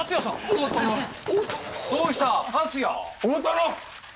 大殿！